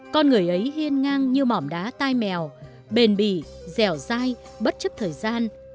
con người ấy hiên ngang như mỏm đá tai mèo bền bỉ dẻo dai bất chấp thời gian